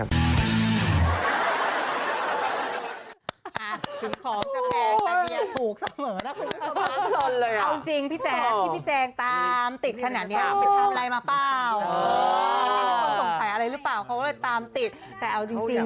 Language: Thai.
แต่ว่าตาแจ๊ดคือมีประวัติจริง